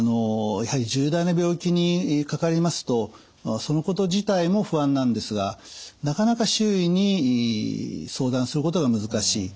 やはり重大な病気にかかりますとそのこと自体も不安なんですがなかなか周囲に相談することが難しい。